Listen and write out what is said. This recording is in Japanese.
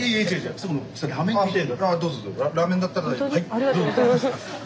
ありがとうございます。